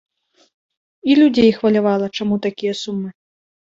І людзей хвалявала, чаму такія сумы.